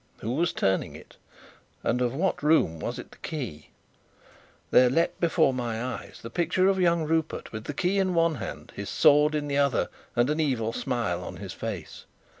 Who was turning it? And of what room was it the key? There leapt before my eyes the picture of young Rupert, with the key in one hand, his sword in the other, and an evil smile on his face.